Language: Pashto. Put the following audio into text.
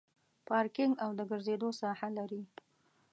پارکینګ او د ګرځېدو ساحه لري.